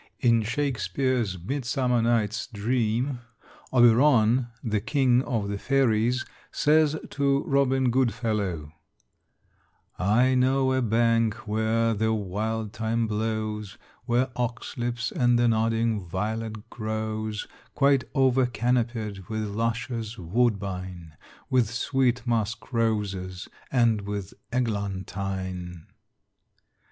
In Shakespeare's "Midsummer Night's Dream" Oberon, the king of the fairies, says to Robin Goodfellow; "I know a bank where the wild thyme blows, Where oxlips and the nodding violet grows, Quite over canopied with luscious woodbine, With sweet musk roses and with eglantine."